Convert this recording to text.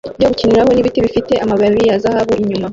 byo gukiniraho nibiti bifite amababi ya zahabu inyuma